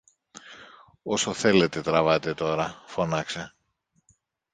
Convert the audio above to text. Όσο θέλετε τραβάτε τώρα! φώναξε.